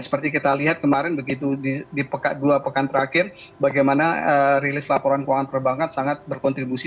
seperti kita lihat kemarin begitu di dua pekan terakhir bagaimana rilis laporan keuangan perbankan sangat berkontribusi